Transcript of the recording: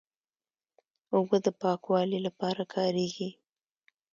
اوبه د پاکوالي لپاره کارېږي.